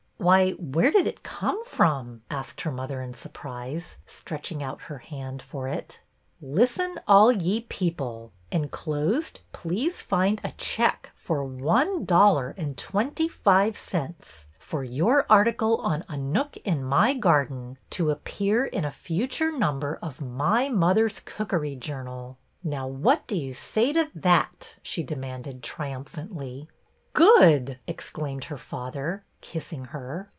Why, where did it come from ?" asked her mother, in surprise, stretching out her hand for it. '' Listen, all ye people !^ Enclosed please find a check for one dollar and twenty five cents for your article on '' A Nook in My Garden," to MY MOTHER'S JOURNAL" 31 appear in a future number of My Mother's Cook ery Journal' Now, what do you say to that?" she demanded triumphantly. " Good !" exclaimed her father, kissing her.